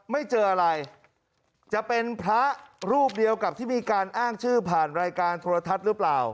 ไม่เจออะไรจะเป็นพระรูปเดียวกับที่มีการอ้างชื่อผ่านรายการโทรทัศน์หรือเปล่า